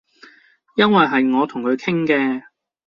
因爲係我同佢傾嘅